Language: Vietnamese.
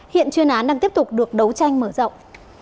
hiện chuyên án đang tiếp tục được đấu tranh mở rộng